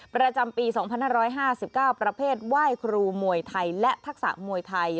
ประจำปี๒๕๕๙ประเภทไหว้ครูมวยไทยและทักษะมวยไทย